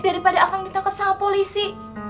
daripada akan ditangkap sama polisi